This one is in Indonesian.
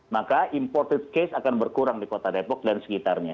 maka imported case akan berkurang di kota depok dan sekitarnya